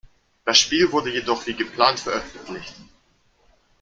Das Spiel wurde jedoch wie geplant veröffentlicht.